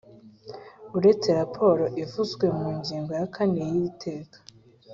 Uretse raporo ivuzwe mu ngingo ya kane y’iri teka